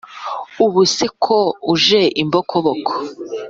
Ubuse ko uje imbokoboko